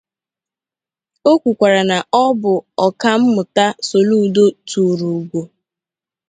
o kwuwara na ọ bụ Ọkammụta Soludo tùùrù ùgo